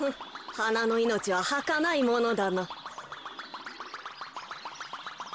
はなのいのちははかないものだな。